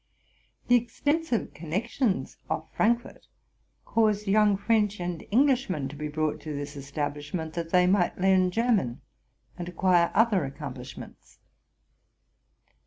The extensive connec: RELATING TO MY LIFE. 99 tions of Frankfort caused young French and English men to be brought to this establishment, that they might learn German and acquire other accomplishments.